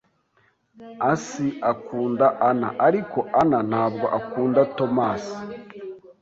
asi akunda Anna, ariko Anna ntabwo akunda Thomas.